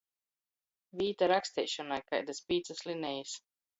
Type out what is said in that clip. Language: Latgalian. Vīta raksteišonai – kaidys pīcys linejis.